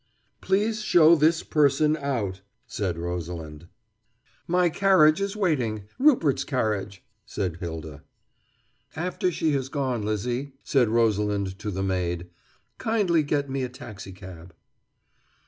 "Please show this person out," said Rosalind. "My carriage is waiting Rupert's carriage," said Hylda. "After she has gone, Lizzie," said Rosalind to the maid, "kindly get me a taxicab."